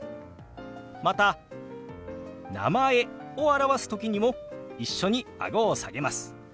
また「名前」を表す時にも一緒にあごを下げます。